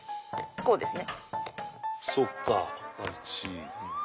こうですね。